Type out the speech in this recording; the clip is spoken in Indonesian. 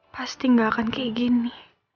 pasti gak akan kayak gini